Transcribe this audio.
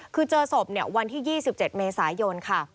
คือเจอศพวันที่๒๗เมษายนค่ะ